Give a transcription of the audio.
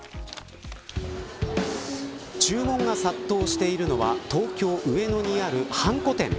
注文が殺到しているのは東京・上野にあるはんこ店。